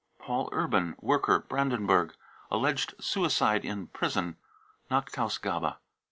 paul urban, worker, Brandenburg, alleged suicide > in prison. (. Nachtausgabe